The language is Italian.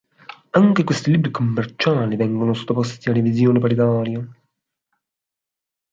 Anche questi libri commerciali vengono sottoposti a revisione paritaria.